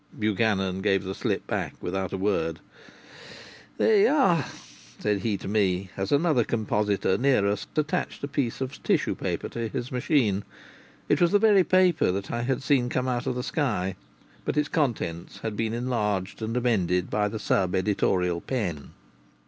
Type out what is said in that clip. Buchanan gave the slip back without a word. "There you are!" said he to me, as another compositor near us attached a piece of tissue paper to his machine. It was the very paper that I had seen come out of the sky, but its contents had been enlarged and amended by the sub editorial pen.